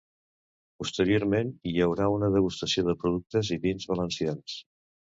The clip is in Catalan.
Posteriorment, hi haurà una degustació de productes i vins valencians.